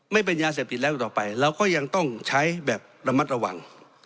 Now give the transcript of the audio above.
ไม่เป็นยาเสพติดแล้วต่อไปเราก็ยังต้องใช้แบบระมัดระวัง